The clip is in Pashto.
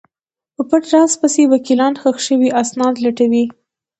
په پټ راز پسې وکیلان ښخ شوي اسناد لټوي.